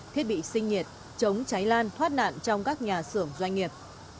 thiết bị sinh nhiệt chống cháy lan thoát nạn trong các nhà xưởng doanh nghiệp